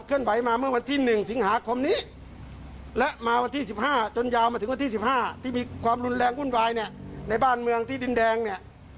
มาเมื่อวันที่๑สิงหาคมนี้และมาวันที่๑๕จนยาวมาถึงวันที่๑๕ที่มีความรุนแรงวุ่นวายเนี่ยในบ้านเมืองที่ดินแดงเนี่ย